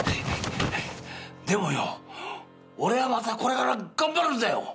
でもよ俺はまたこれから頑張るんだよ！